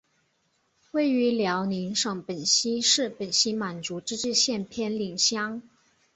位于辽宁省本溪市本溪满族自治县偏岭乡。